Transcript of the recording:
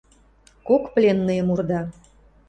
Кок пленныйым урда.